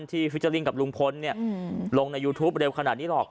ฟิเจอร์ลิ่งกับลุงพลลงในยูทูปเร็วขนาดนี้หรอก